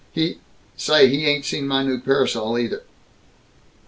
He Say, he ain't seen my new parasol, neither!"